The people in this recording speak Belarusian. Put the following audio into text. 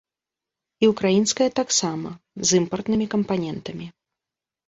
І ўкраінскія таксама, з імпартнымі кампанентамі.